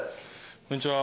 こんにちは。